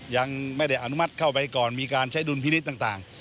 ยังไม่ได้อนุมัติเข้าไปก่อนมีการใช้ดุลพินิษฐ์ต่าง